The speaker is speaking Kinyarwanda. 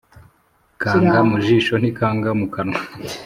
Kanga mu jisho ntikanga mu kanwa.